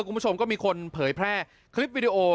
คุณผู้ชมก็มีคนเผยแพร่คลิปวิดีโอ